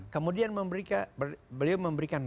kemudian beliau memberikan